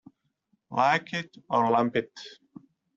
Like it or lump it.